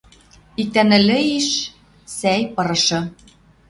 Иктӓ нӹллӹ иш сӓй пырышы.